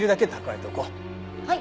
はい！